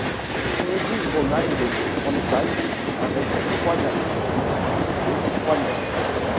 C’est une église romane de grande taille avec trois absides et trois nefs.